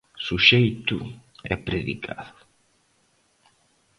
Suxeito e predicado.